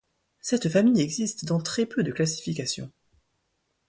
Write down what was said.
Cette famille existe dans très peu de classifications.